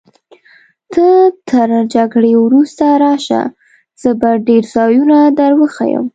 ته تر جګړې وروسته راشه، زه به ډېر ځایونه در وښیم.